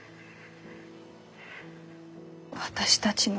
私たちの？